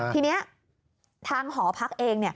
ทีนี้ทางหอพักเอง